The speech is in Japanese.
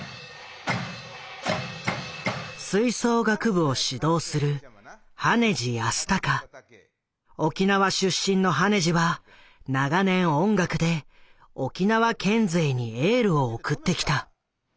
吹奏楽部を指導する沖縄出身の羽地は長年音楽で沖縄県勢にエールを送ってきた。